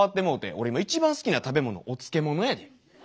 俺今一番好きな食べ物お漬物やで。